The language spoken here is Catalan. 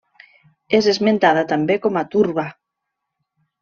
És esmentada també com a Turba.